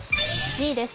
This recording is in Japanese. ２位です。